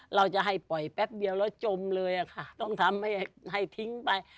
เราจะให้ปล่อยแป๊บเดียวแล้วจมเลยค่ะต้องทำให้ให้ทิ้งไป